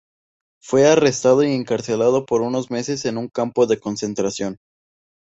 Fue arrestado y encarcelado por unos meses en un campo de concentración.